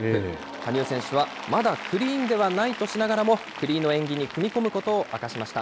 羽生選手は、まだクリーンではないとしながらも、フリーの演技に組み込むことを明かしました。